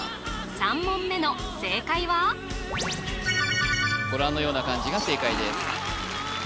３問目の正解はご覧のような漢字が正解です